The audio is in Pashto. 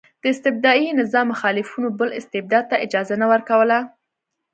د استبدادي نظام مخالفینو بل استبداد ته اجازه نه ورکوله.